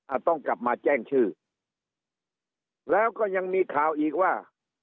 ต้องกลับมาแจ้งชื่อแล้วก็ยังมีข่าวอีกว่า